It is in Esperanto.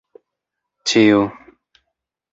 ĉiu